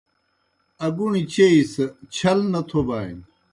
اگُݨیْ چیئی سہ چھل نہ تھوبانیْ۔